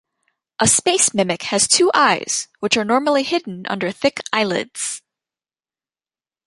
A space mimic has two eyes, which are normally hidden under thick eyelids.